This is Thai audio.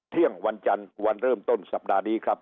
เที่ยงวันจันทร์วันเริ่มต้นสัปดาห์นี้ครับ